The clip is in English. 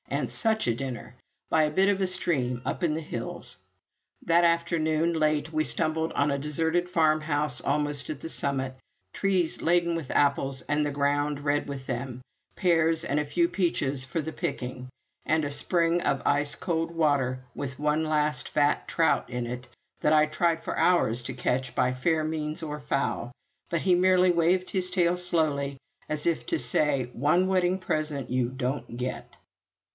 And such a dinner! by a bit of a stream up in the hills. That afternoon, late, we stumbled on a deserted farmhouse almost at the summit trees laden with apples and the ground red with them, pears and a few peaches for the picking, and a spring of ice cold water with one lost fat trout in it that I tried for hours to catch by fair means or foul; but he merely waved his tail slowly, as if to say, "One wedding present you don't get!"